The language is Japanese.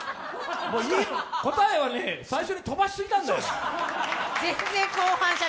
答えはね、最初飛ばしすぎなんだよ。